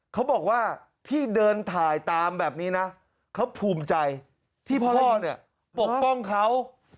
เขาบอกว่าที่เดินถ่ายตามแบบนี้นะเขาภูมิใจที่พ่อเนี่ยปกป้องเขา